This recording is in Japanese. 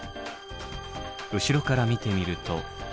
後ろから見てみると。